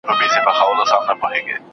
اقتصادي ازادي د هیواد په ګټه ده.